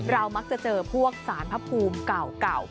มักจะเจอพวกสารพระภูมิเก่า